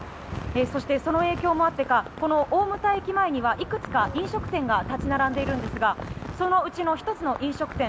そして、その影響もあってかこの大牟田駅前にはいくつか飲食店が立ち並んでいるんですがそのうちの１つの飲食店